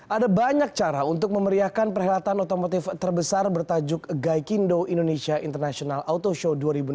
ada banyak cara untuk memeriahkan perhelatan otomotif terbesar bertajuk gaikindo indonesia international auto show dua ribu enam belas